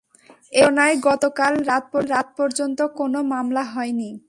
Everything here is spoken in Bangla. এ ঘটনায় গতকাল রাত পর্যন্ত কোনো মামলা হয়নি।